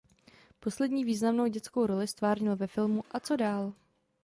Poslední významnou dětskou roli ztvárnil ve filmu "A co dál...".